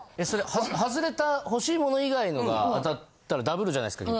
ハズレた欲しいもの以外のが当たったらダブるじゃないですか。